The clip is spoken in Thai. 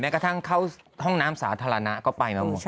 กระทั่งเข้าห้องน้ำสาธารณะก็ไปมาหมด